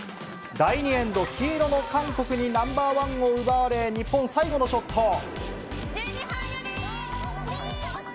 第２エンド、黄色の韓国にナンバーワンを奪われ日本、最後のショット。